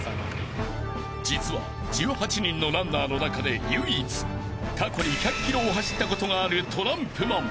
［実は１８人のランナーの中で唯一過去に１００ｋｍを走ったことがあるトランプマン］